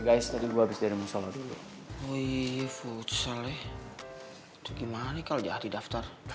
guys tadi gue habis dari musyola dulu woi futsal eh itu gimana nih kalau jadi daftar